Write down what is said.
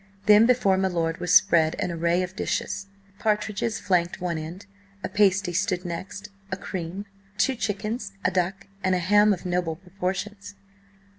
Then before my lord was spread an array of dishes. Partridges flanked one end, a pasty stood next, a cream, two chickens, a duck, and a ham of noble proportions.